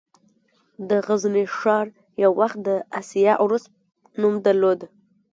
د غزني ښار یو وخت د «د اسیا عروس» نوم درلود